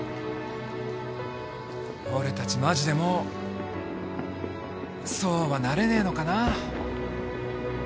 俺たちマジでもうそうはなれねえのかな。